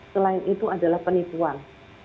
selain itu adalah penipuan